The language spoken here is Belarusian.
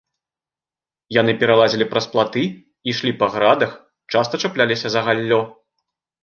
Яны пералазілі праз платы, ішлі па градах, часта чапляліся за галлё.